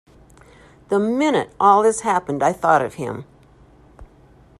The minute all this happened, I thought of him.